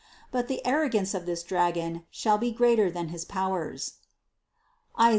But the arrogance of this dragon shall be greater than his powers (Is.